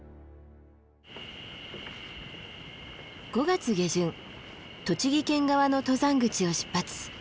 ５月下旬栃木県側の登山口を出発。